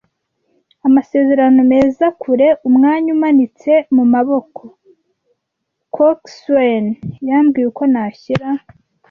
amasezerano meza kure, umwanya umanitse mumaboko. Coxswain yambwiye uko nashyira